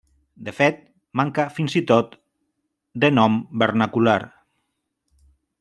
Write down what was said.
De fet, manca fins i tot de nom vernacular.